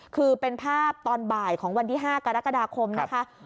คือเป็นภาพตอนบ่ายของวันที่๕กรกฎาคมนะคะ